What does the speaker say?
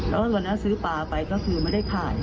แล้ววันนั้นซื้อปลาไปก็คือไม่ได้ขาย